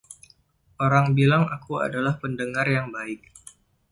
Orang bilang aku adalah pendengar yang baik.